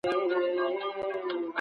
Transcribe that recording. سفارت د معلوماتو د تبادلې ځای دی.